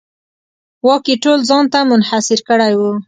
واک یې ټول ځان ته منحصر کړی و.